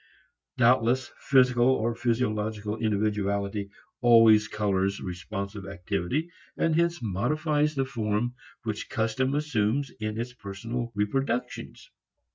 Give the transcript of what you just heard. Doubtless physical or physiological individuality always colors responsive activity and hence modifies the form which custom assumes in its personal reproductions.